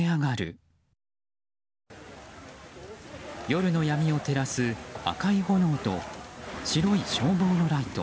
夜の闇を照らす赤い炎と白い消防のライト。